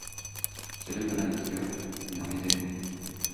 Kelin bilan kuyov binoyiday bo‘ldi.